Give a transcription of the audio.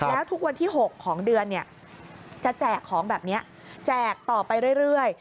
แล้วทุกวันที่๖ของเดือนจะแจกของแบบนี้แจกต่อไปเรื่อย